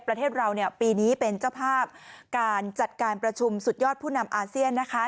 ประเทศเราเนี่ยปีนี้เป็นเจ้าภาพการจัดการประชุมสุดยอดผู้นำอาเซียนนะคะ